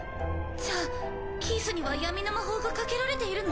じゃあキースには闇の魔法がかけられているの？